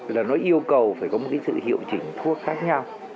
là nó yêu cầu phải có một cái sự hiệu chỉnh thuốc khác nhau